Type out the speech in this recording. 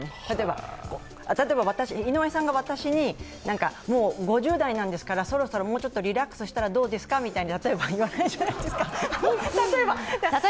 例えば井上さんが私にもう５０代なんだからそろそろもうちょっとリラックスしたらどうですかとか、例えば言うじゃないですか。